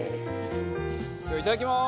いただきます！